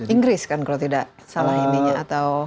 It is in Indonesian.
inggris kan kalau tidak salah ininya atau